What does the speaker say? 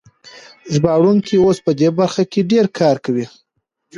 ژباړونکي اوس په دې برخه کې ډېر کار کوي.